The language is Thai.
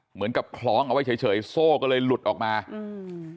เหมือนกับคล้องเอาไว้เฉยเฉยโซ่ก็เลยหลุดออกมาอืม